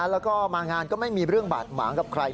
แล้วก็มางานก็ไม่มีเรื่องบาดหมางกับใคร